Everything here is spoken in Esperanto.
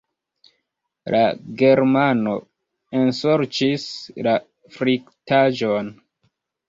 La Germano ensorĉis la fritaĵon.